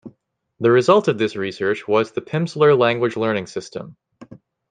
The result of this research was the Pimsleur language learning system.